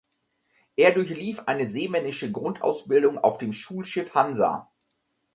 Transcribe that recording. Er durchlief eine seemännische Grundausbildung auf dem Schulschiff "Hansa".